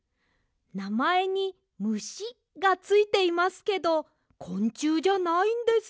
なまえに「ムシ」がついていますけどこんちゅうじゃないんです。